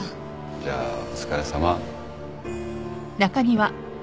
じゃあお疲れさま。